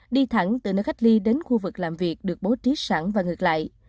đi thẳng từ nơi cách ly đến khu vực làm việc được bố trí sẵn và ngược lại